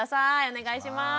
お願いします。